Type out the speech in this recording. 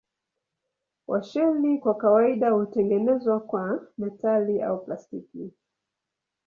Washeli kwa kawaida hutengenezwa kwa metali au plastiki.